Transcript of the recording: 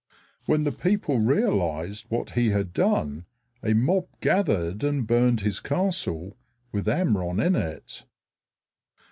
When the people realized what he had done a mob gathered and burned his castle, with Amron in it.